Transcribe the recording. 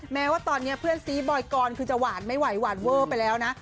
แม้ว่าตอนนี้เพื่อนซีบอยกรคือจะหวานไม่ไหวหวานเวอร์ไปแล้วนะ